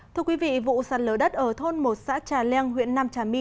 thưa quý vị vụ sạt lở đất ở thôn một xã trà leng huyện nam trà my